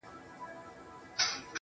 هغه مئین خپل هر ناهیلي پل ته رنگ ورکوي,